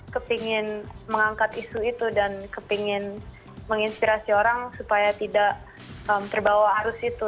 kepingin mengangkat isu itu dan kepingin menginspirasi orang supaya tidak terbawa arus itu